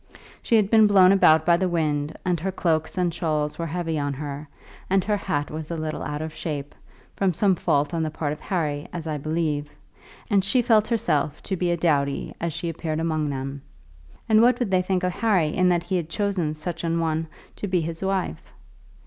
She had been blown about by the wind, and her cloaks and shawls were heavy on her, and her hat was a little out of shape, from some fault on the part of Harry, as I believe, and she felt herself to be a dowdy as she appeared among them. What would they think of her, and what would they think of Harry in that he had chosen such an one to be his wife?